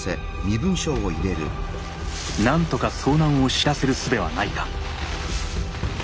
なんとか遭難を知らせるすべはないか。